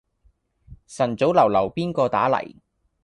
晨早流流邊個打黎